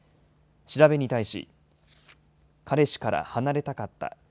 調べに対し、彼氏から離れたかった。